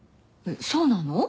そうなの？